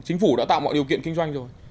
chính phủ đã tạo mọi điều kiện kinh doanh rồi